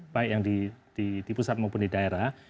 baik yang di pusat maupun di daerah